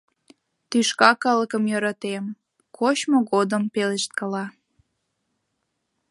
— Тӱшка калыкым йӧратем, — кочмо годым пелешткала.